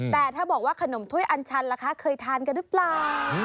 แต่ถ้าบอกว่าขนมถ้วยอันชันล่ะคะเคยทานกันหรือเปล่า